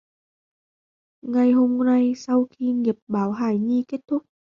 Ngay hôm nay sau khi nghiệp báo hài nhi Kết Thúc